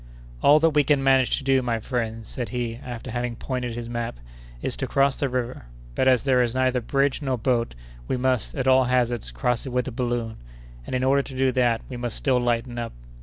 "All that we can manage to do, my friends," said he, after having pointed his map, "is to cross the river; but, as there is neither bridge nor boat, we must, at all hazards, cross it with the balloon, and, in order to do that, we must still lighten up."